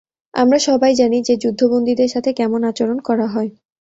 আমরা সবাই জানি যে যুদ্ধ- বন্দীদের সাথে কেমন আচরণ করা হয়!